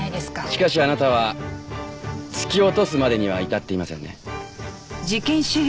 しかしあなたは突き落とすまでには至っていませんね？